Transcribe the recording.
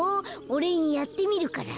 おれいにやってみるから。